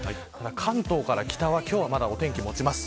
関東から北はまだ今日はお天気がもちます。